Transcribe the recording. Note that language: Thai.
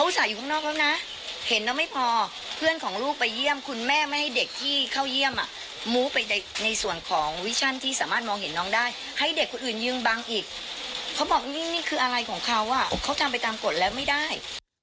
แต่เฮ้ยนี่คืออะไรของเขาว่ะเขาจะไปตามกฎแล้วไม่ได้